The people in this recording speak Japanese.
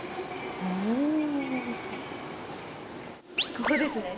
ここですね。